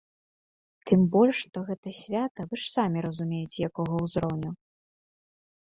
Тым больш, што гэта свята вы ж самі разумееце, якога ўзроўню!